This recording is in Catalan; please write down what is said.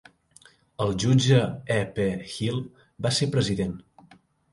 El jutge E. P. Hill va ser president.